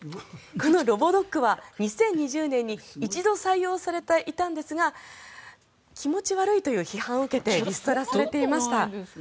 このロボドッグは２０２０年に一度採用されていたんですが気持ち悪いという批判を受けてリストラされていました。